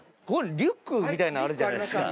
リュックみたいなのあるじゃないですか。